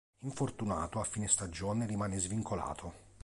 Infortunato, a fine stagione rimane svincolato.